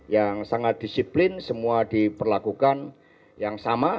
yang sangat disiplin semua diperlakukan yang sama